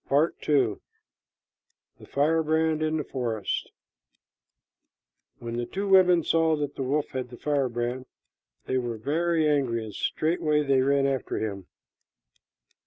PART II. THE FIREBRAND IN THE FOREST. When the two women saw that the wolf had the firebrand, they were very angry, and straightway they ran after him.